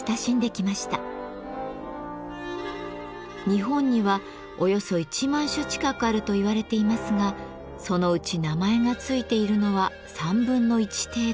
日本にはおよそ１万種近くあると言われていますがそのうち名前が付いているのは1/3程度。